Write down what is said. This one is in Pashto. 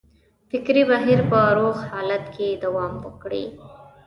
فکري بهیر په روغ حالت کې دوام وکړي.